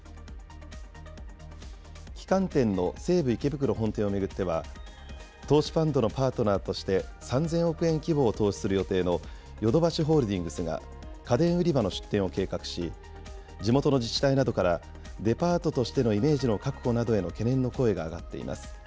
旗艦店の西武池袋本店を巡っては、投資ファンドのパートナーとして３０００億円規模を投資する予定のヨドバシホールディングスが家電売り場の出店を計画し、地元の自治体などから、デパートとしてのイメージの確保などの懸念の声